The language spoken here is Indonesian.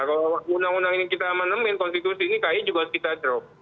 kalau undang undang ini kita aman aman konstitusi ini ky juga harus kita drop